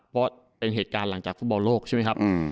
เพราะเป็นเหตุการณ์หลังจากฟุตบอลโลกใช่ไหมครับ